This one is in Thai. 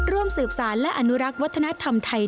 ร่วมสืบสารและอนุรักษ์วัฒนธรรมไทย